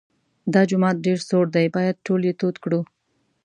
دا جومات ډېر سوړ دی باید ټول یې تود کړو.